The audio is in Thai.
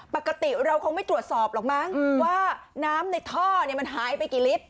ปกติเราคงไม่ตรวจสอบหรอกมั้งว่าน้ำในท่อมันหายไปกี่ลิตร